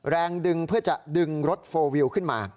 แรงดึงเพื่อจะดึงรถโฟลวิวขึ้นมา